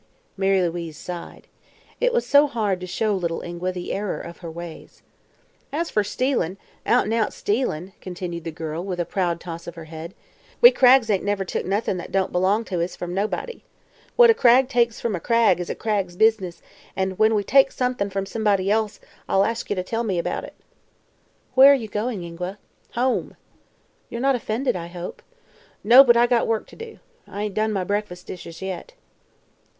Mary Louise sighed. It was so hard to show little Ingua the error of her ways. "As fer stealin' out an' out stealin'," continued the girl, with a proud toss of her head, "we Craggs ain't never took noth'n' that don't belong to us from nobody. What a Cragg takes from a Cragg is a Cragg's business, an' when we takes someth'n' from somebody else I'll ask ye to tell me 'bout it." "Where are you going, Ingua?" "Home." "You're not offended, I hope." "No, but I got work to do. I ain't done my breakfas' dishes yet."